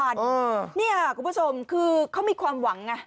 เนี่ยคุณผู้ชมคือเขามีความหวัง